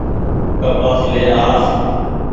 ڪپآس لين آس۔